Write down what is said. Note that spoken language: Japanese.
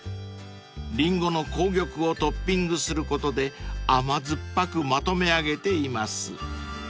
［リンゴの紅玉をトッピングすることで甘酸っぱくまとめ上げています］